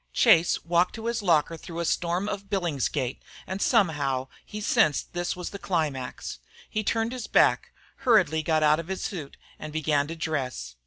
Chase walked to his locker through a storm of billingsgate, and somehow he sensed this was the climax. He turned his back, hurriedly got out his suit, and began to dress.